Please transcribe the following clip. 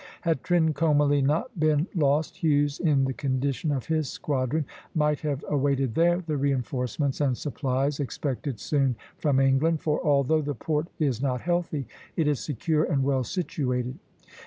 Had Trincomalee not been lost, Hughes, in the condition of his squadron, might have awaited there the reinforcements and supplies expected soon from England; for although the port is not healthy, it is secure and well situated.